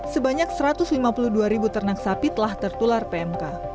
sebanyak satu ratus lima puluh dua ribu ternak sapi telah tertular pmk